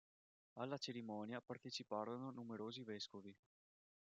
Alla cerimonia parteciparono numerosi vescovi.